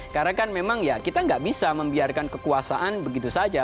karena kan memang ya kita nggak bisa membiarkan kekuasaan begitu saja